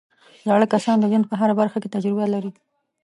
زاړه کسان د ژوند په هره برخه کې تجربه لري